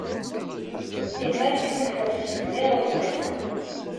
S immal ttḥulfuɣ s usemmiḍ ussan-a.